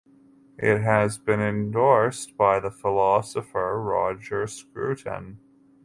It has been endorsed by the philosopher Roger Scruton.